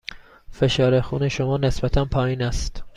فشار خون شما نسبتاً پایین است.